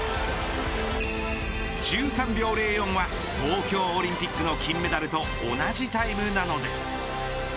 １３秒０４は東京オリンピックの金メダルと同じタイムなのです。